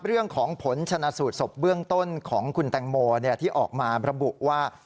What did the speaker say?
เรื่องของผลชนะสูตรศพเบื้องต้นของคุณแตงโมที่ออกมาระบุว่า